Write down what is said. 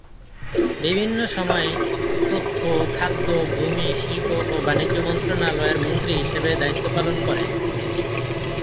বিভিন্ন সময়ে তথ্য, খাদ্য, ভূমি, শিল্প ও বাণিজ্য মন্ত্রণালয়ের মন্ত্রী হিসেবে দায়িত্ব পালন করেন।